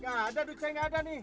gak ada duit saya nggak ada nih